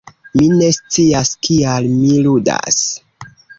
Mi ne scias kial mi ludas